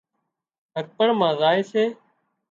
هٻڪڻ مان زائي سي